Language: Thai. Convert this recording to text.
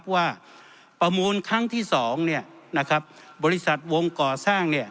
ว่าประมูลครั้งที่๒บริษัทวงก่อสร้าง